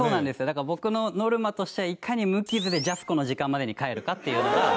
だから僕のノルマとしてはいかに無傷でジャスコの時間までに帰るかっていうのが。